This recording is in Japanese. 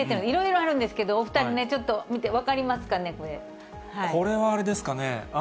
いろいろあるんですけれども、お２人ね、ちょっと見て分かりますかね、これはあれですかね。